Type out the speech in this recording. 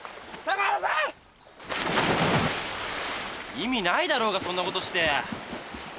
意味ないだろうがそんなことして。